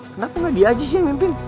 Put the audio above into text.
kenapa gak dia aja sih yang mimpin